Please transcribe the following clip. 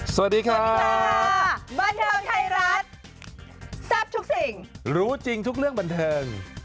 สวัสดีครับบรรเทิงไทยรัฐแซ่บทุกสิ่งรู้จริงทุกเรื่องบรรเทิง